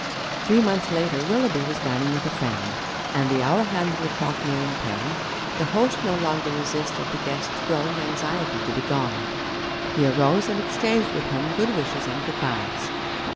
Three months later Willoughby was dining with a friend, and the hour hand of the clock nearing ten, the host no longer resisted the guest's growing anxiety to be gone. He arose and exchanged with him good wishes and goodbyes.